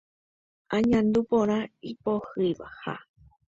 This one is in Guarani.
Añandu porã ipohyiha.